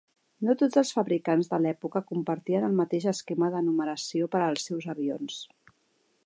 No tots els fabricants de l'època compartien el mateix esquema de numeració per als seus avions.